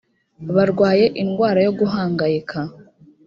barwaye indwara yo guhangayika